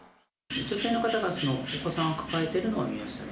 女性の方がお子さんを抱えてるのは見ましたね。